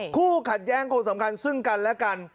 คู่ขัดแย้งคนสำคัญซึ่งกันและกัน